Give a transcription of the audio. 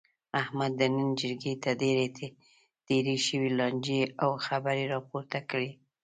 احمد د نن جرګې ته ډېرې تېرې شوې لانجې او خبرې را پورته کړلې.